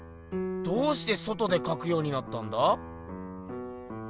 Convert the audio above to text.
どうして外でかくようになったんだ？